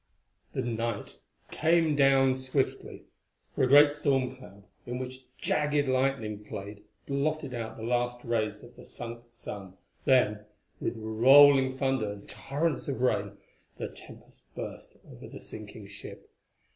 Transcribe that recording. The night came down swiftly, for a great stormcloud, in which jagged lightning played, blotted out the last rays of the sunk sun. Then, with rolling thunder and torrents of rain, the tempest burst over the sinking ship.